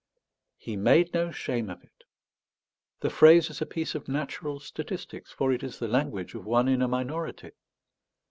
He made no shame of it! The phrase is a piece of natural statistics; for it is the language of one in a minority.